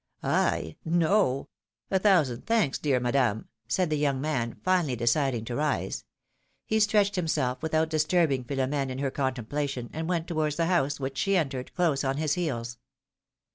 "I? No! a thousand thanks, dear Madame," said the young man, finally deciding to rise. He stretched philom^:ne's marriages. 169 himself without disturbing Philom^ne in her contem plation, and went towards the house, which she entered, close on his heels.